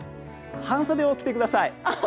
半袖を着てください。